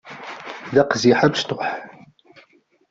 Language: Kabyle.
D aqziḥ amecṭuḥ.